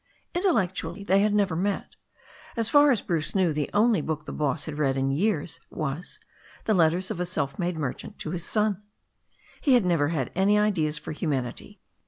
Intellectually they had never met. As far as Bruce knew, the only book the boss had read in years was The Letters of a Self Made Merchant to His Son. He had never had any ideals for humanity.